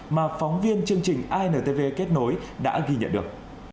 mà phóng viên chương trình intv kết nối đã ghi nhận được